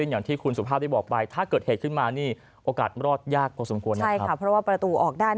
หยุดดีกว่านะ